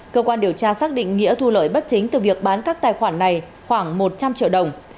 cơ quan điều tra xác định nghĩa thu lợi bất chính từ việc bán các tài khoản này khoảng một trăm linh triệu đồng